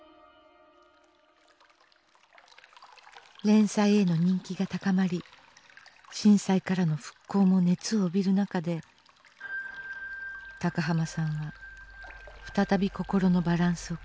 連載への人気が高まり震災からの復興も熱を帯びる中で高浜さんは再び心のバランスを崩します。